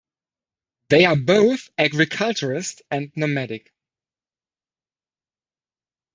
They are both agriculturists and nomadic.